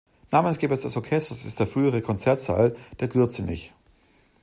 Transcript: Namensgeber des Orchesters ist der frühere Konzertsaal, der Gürzenich.